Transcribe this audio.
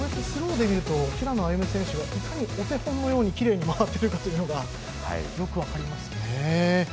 スローで見ると平野歩夢選手がいかにお手本のようにきれいに回っているかというのがよく分かりますね。